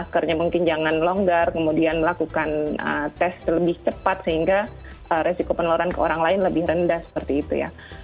maskernya mungkin jangan longgar kemudian melakukan tes lebih cepat sehingga resiko penularan ke orang lain lebih rendah seperti itu ya